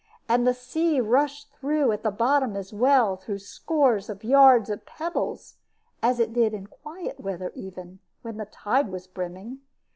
And the sea rushed through at the bottom as well, through scores of yards of pebbles, as it did in quiet weather even, when the tide was brimming.